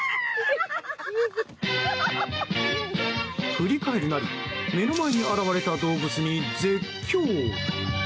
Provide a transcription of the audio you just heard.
振り返るなり目の前に現れた動物に絶叫。